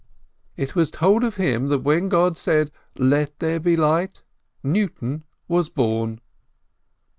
It was told of him that when God said, Let there be light, Newton was born."